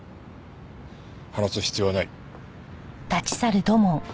話す必要はない。